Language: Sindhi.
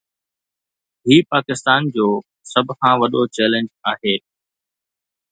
هي پاڪستان جو سڀ کان وڏو چئلينج آهي.